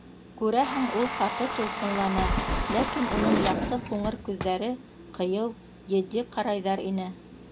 Күрәһең, ул ҡаты тулҡынлана, ләкин уның яҡты ҡуңыр күҙҙәре ҡыйыу, етди ҡарайҙар ине.